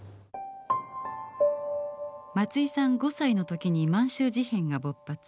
松居さん５歳の時に満州事変が勃発。